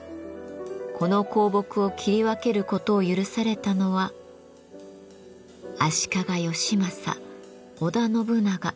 この香木を切り分けることを許されたのは足利義政織田信長